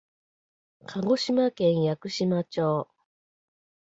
鹿児島県屋久島町